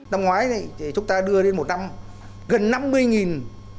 năm ngoái chúng ta đưa lên một năm gần năm mươi